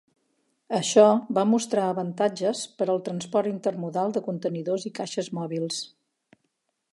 Això va mostrar avantatges per al transport intermodal de contenidors i caixes mòbils.